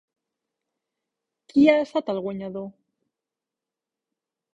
Qui ha estat el guanyador?